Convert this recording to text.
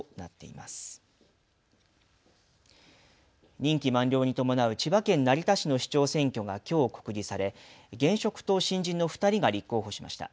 任期満了に伴う千葉県成田市の市長選挙がきょう告示され、現職と新人の２人が立候補しました。